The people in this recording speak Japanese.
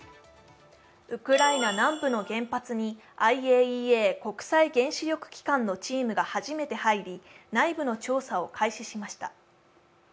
ウクライナ南部の原発にＩＡＥＡ＝国際原子力機関のチームが初めて入り、内部の調査を開始しました。